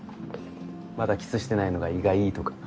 まだキスしてないのが意外とか